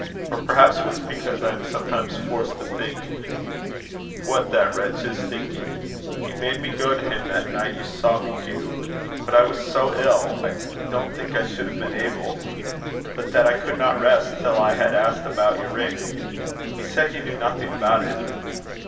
Or perhaps it was because I am sometimes forced to think what that wretch is thinking. He made me go to him that night you saw me, Hugh. But I was so ill, I don't think I should have been able, but that I could not rest till I had asked him about your ring. He said he knew nothing about it."